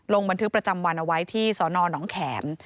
ลงบันทึกประจำวันเอาไว้ที่สนหนองแข็ม